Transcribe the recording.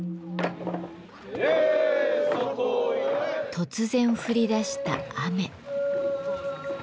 突然降りだした雨。